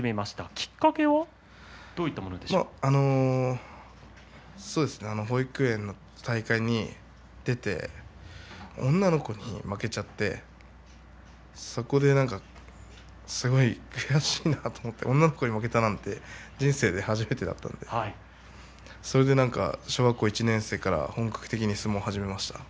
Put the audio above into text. きっかけは保育園の大会に出て女の子に負けちゃってそこで、なんかすごい悔しいなと思って女の子に負けたなんて人生で初めてだったのでそれで小学校１年生から本格的に相撲を始めました。